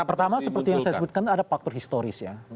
ya pertama seperti yang saya sebutkan ada faktor historis ya